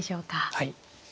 はい。